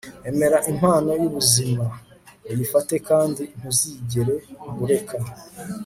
emera impano yubuzima, uyifate kandi ntuzigere ureka